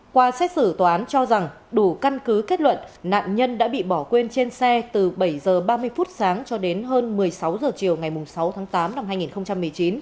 qua xét xử tòa án cho rằng đủ căn cứ kết luận nạn nhân đã bị bỏ quên trên xe từ bảy h ba mươi phút sáng cho đến hơn một mươi sáu h chiều ngày sáu tháng tám năm hai nghìn một mươi chín